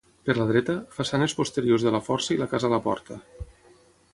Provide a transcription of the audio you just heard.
Per la dreta, façanes posteriors de la Força i la casa Laporta.